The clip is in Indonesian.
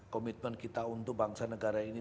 komitmen kita untuk bangsa negara ini